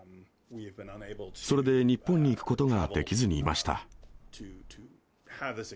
それで日本に行くことができずにいました。